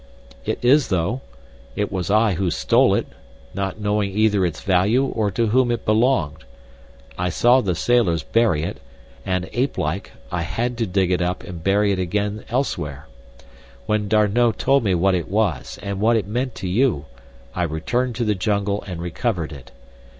"It is, though. It was I who stole it, not knowing either its value or to whom it belonged. I saw the sailors bury it, and, ape like, I had to dig it up and bury it again elsewhere. When D'Arnot told me what it was and what it meant to you I returned to the jungle and recovered it.